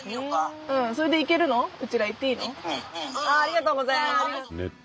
ありがとうございます。